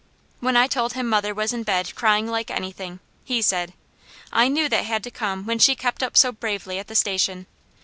When I told him mother was in bed crying like anything, he said: "I knew that had to come when she kept up so bravely at the station.